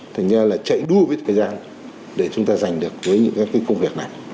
thành ra là chạy đua với thời gian để chúng ta giành được với những cái công việc này